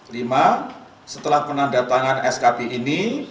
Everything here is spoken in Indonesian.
lima setelah penandatangan skp ini